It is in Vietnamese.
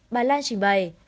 bà lan trình bày